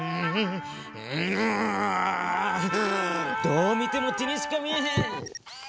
どう見ても手にしか見えへん！